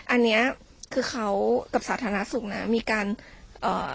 อันเนี้ยคือเขากับสาธารณสุขนะมีการเอ่อ